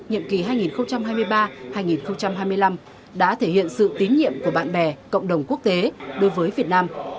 nhiệm kỳ hai nghìn hai mươi ba hai nghìn hai mươi năm đã thể hiện sự tín nhiệm của bạn bè cộng đồng quốc tế đối với việt nam